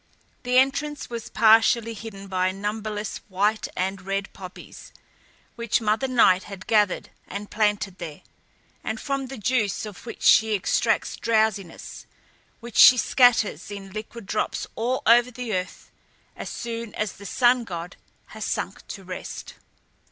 The entrance was partially hidden by numberless white and red poppies, which Mother Night had gathered and planted there, and from the juice of which she extracts drowsiness, which she scatters in liquid drops all over the earth, as soon as the sun god has sunk to rest.